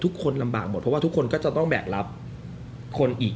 ทุกคนลำบากหมดเพราะว่าทุกคนก็จะต้องแบกรับคนอีก